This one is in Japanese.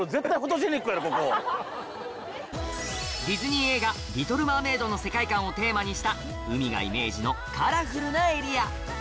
ディズニー映画『リトル・マーメイド』の世界観をテーマにした海がイメージのカラフルなエリア